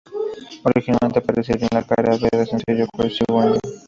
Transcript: Originalmente aparecía en la Cara B del sencillo "Crazy on You".